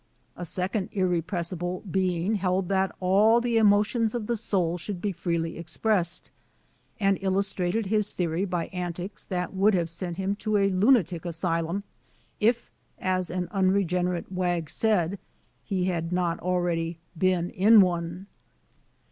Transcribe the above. A second irrepressible being held that all the emotions of the soul should be freely expressed, and illustrated his theory by antics that would have sent him to a lunatic asylum, if, as an unregenerate w^ said, he had not already been in one.